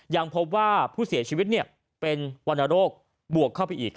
ยังพบว่าผู้เสียชีวิตเป็นวรรณโรคบวกเข้าไปอีก